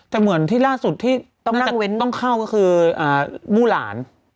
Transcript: แต่เหมือนที่ล่าสุดที่ต้องเข้าก็คือมู่หลาน